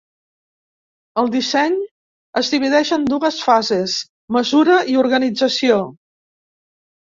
El disseny es divideix en dues fases: mesura i organització.